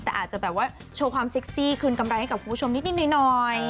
แต่อาจจะแบบว่าโชว์ความเซ็กซี่คืนกำไรให้กับคุณผู้ชมนิดหน่อย